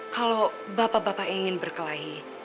kalau bapak bapak ingin berkelahi